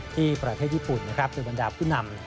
ที่ประเทศญี่ปุ่นนะครับโดยบรรดาผู้นำ